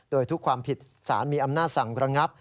โดยทุกความผิดสารมีอำนาจสั่งระงับ